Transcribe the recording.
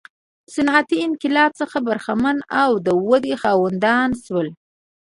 صنعتي انقلاب څخه برخمن او د ودې خاوندان شول.